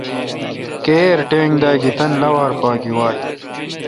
کییر ٹنگ داگی تانی لاوار پا گی واں۔